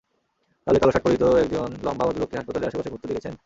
তাহলে কালো শার্ট পরিহিত একজন লম্বা ভদ্রলোককে হাসপাতালের আশেপাশে ঘুরতে দেখেছেন?